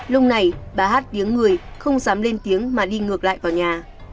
lúc này bà hát tiếng người không dám lên tiếng mà đi ngược lại vào nhà